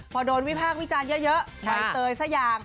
พอโดนวิพากษ์วิจารณ์เยอะใบเตยสักอย่าง